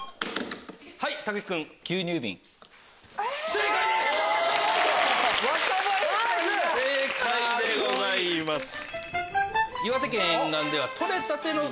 正解でございます！